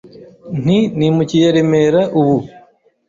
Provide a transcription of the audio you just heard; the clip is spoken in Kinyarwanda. nti nimukiye Remera; ubu